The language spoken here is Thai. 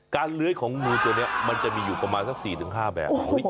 เลื้อยของงูตัวนี้มันจะมีอยู่ประมาณสัก๔๕แบบ